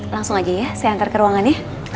langsung aja ya saya antar ke ruangan ya